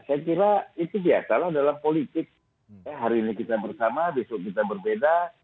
saya kira itu biasalah dalam politik hari ini kita bersama besok kita berbeda